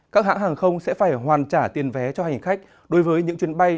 các hãng hàng không sẽ phải hoàn trả tiền vé cho hành khách đối với những chuyến bay